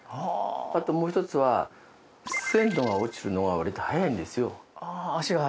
あと、もう１つは鮮度が落ちるのが割と早いんですよ。